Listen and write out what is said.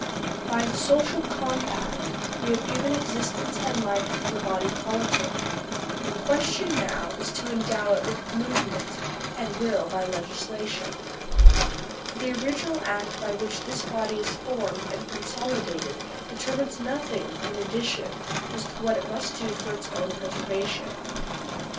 By the social compact we have given existence and fife to the body politic ; the question now is to endow it with movement, and will by legislation. For the original act by which this body is formed and consolidated deter mines nothing in addition as to what it must do for its own preservation.